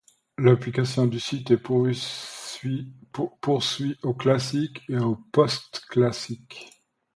L'occupation du site se poursuit au Classique et au Postclassique.